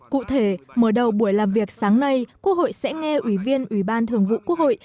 cụ thể mở đầu buổi làm việc sáng nay quốc hội sẽ nghe ủy viên ủy ban thường vụ quốc hội